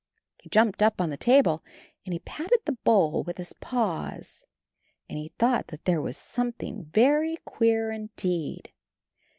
He jumped up on the table and he patted the bowl with his paws, and he thought that there was something very queer indeed.